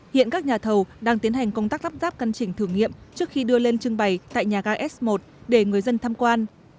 hiện các nhà thầu đang tiến hành công tác lắp ráp căn chỉnh thử nghiệm trước khi đưa lên trưng bày tại nhà ga s một để người dân tham quan